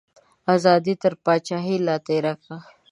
ازادي تر پاچاهیه لا تیری کا.